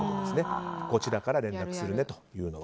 こちらから連絡するねという。